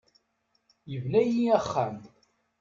Yebna-iyi axxam.